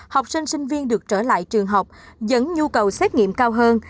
học sinh sinh viên được trở lại trường học dẫn nhu cầu xét nghiệm cao hơn